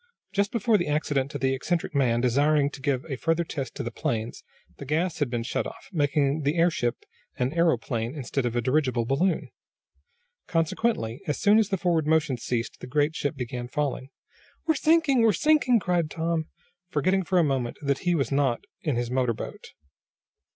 Just before the accident to the eccentric man, desiring to give a further test to the planes, the gas had been shut off, making the airship an aeroplane instead of a dirigible balloon. Consequently, as soon as the forward motion ceased the great ship began falling. "We're sinking! We're sinking!" cried Tom, forgetting for a moment that he was not in his motor boat.